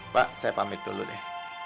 pak saya pamit dulu deh